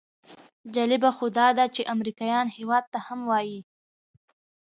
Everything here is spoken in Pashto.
جالبه خو داده چې امریکایان هېواد ته هم وایي.